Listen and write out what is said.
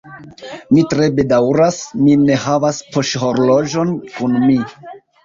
Mi tre bedaŭras, mi ne havas poŝhorloĝon kun mi.